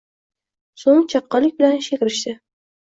So‘ng chaqqonlik bilan ishga kirishdi